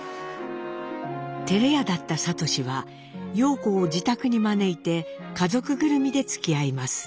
照れ屋だった智は様子を自宅に招いて家族ぐるみでつきあいます。